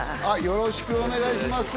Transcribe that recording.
よろしくお願いします